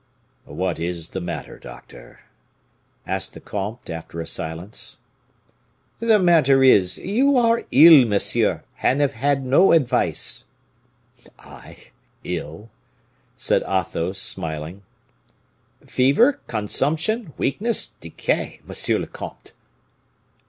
"What is the matter, doctor?" asked the comte, after a silence. "The matter is, you are ill, monsieur, and have had no advice." "I! ill!" said Athos, smiling. "Fever, consumption, weakness, decay, monsieur le comte!"